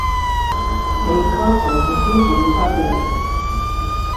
Paid content is usually copyrighted.